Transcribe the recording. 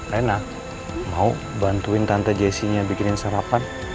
enak mau bantuin tante jessinya bikinin sarapan